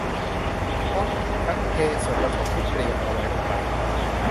พร้อมทั้งเทส่วนผสมที่เตรียมเอาไว้ลงไป